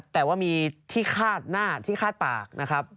แต่ว่ามีที่คาดหน้าที่คาดปากนะครับ